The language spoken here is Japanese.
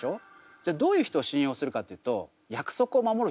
じゃあどういう人を信用するかというと約束を守る人なんです。